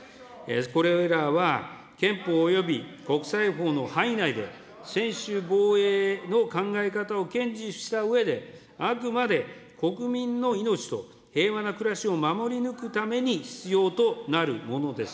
これらは憲法および国際法の範囲内で、専守防衛の考え方を堅持したうえで、あくまで国民の命と平和な暮らしを守り抜くために必要となるものです。